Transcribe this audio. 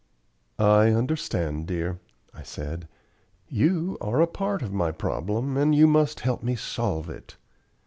"I understand, dear," I said. "You are a part of my problem, and you must help me solve it."